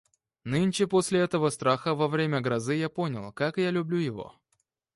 Нынче после этого страха во время грозы я понял, как я люблю его.